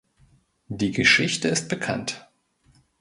Die Geschichte ist bekannt.